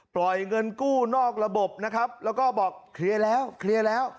ปล่อยเงินกู้นอกระบบนะครับแล้วก็บอกเคลียร์แล้วเคลียร์แล้ว